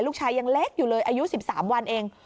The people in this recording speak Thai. ลูกชายยังเล็กอยู่เลยอายุ๑๓วันเอง